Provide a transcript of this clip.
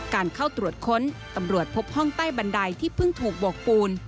การเข้าตรวจค้นตำรวจพบห้องใต้บันไดที่เพิ่งถูกบวกปูน